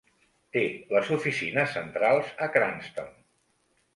Té les oficines centrals a Cranston.